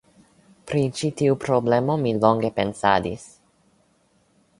Pri ĉi tiu problemo mi longe pensadis.